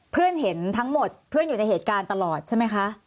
เพื่อนเห็นทั้งหมดเพื่อนอยู่ในเหตุการณ์ตลอดใช่ไหมคะ